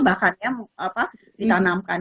bahkan ya apa ditanamkan